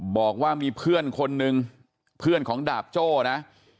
บอกว่ามีเพื่อนคนนึงเพื่อนของดาบโจ้นะ